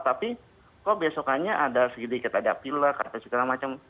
tapi kok besoknya ada sedikit sedikit ada pilak atau segala macam